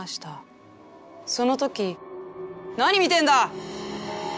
その時「何見てんだ！」。